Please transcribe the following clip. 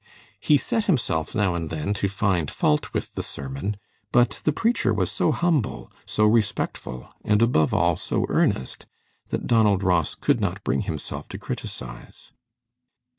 He set himself now and then to find fault with the sermon, but the preacher was so humble, so respectful, and above all, so earnest, that Donald Ross could not bring himself to criticise.